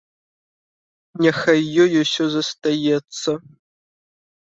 Няхай ёй усё застаецца.